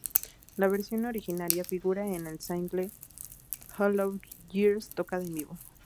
La versión original figura en el single Hollow Years, tocada en vivo.